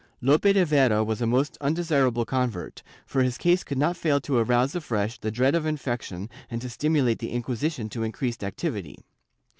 ^ Lope de Vera was a most undesirable convert, for his case could not fail to arouse afresh the dread of infection and to stimulate the Inquisition to increased activity.